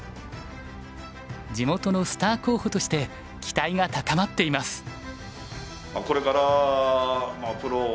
地元のスター候補として期待が高まっています。